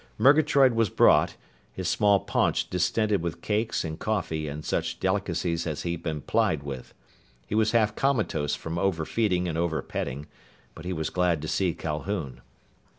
Murgatroyd was brought, his small paunch distended with cakes and coffee and such delicacies as he'd been plied with. He was half comatose from overfeeding and overpetting, but he was glad to see Calhoun.